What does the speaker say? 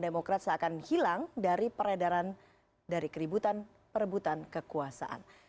demokrat seakan hilang dari peredaran dari keributan perebutan kekuasaan